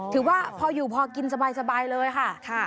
ถือว่าพออยู่พอกินสบายเลยค่ะ